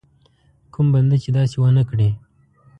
کوم بنده چې داسې ونه کړي.